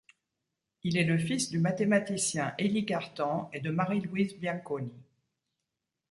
Il est le fils du mathématicien Élie Cartan et de Marie-Louise Bianconi.